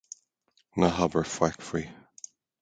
Ná habair faic faoi.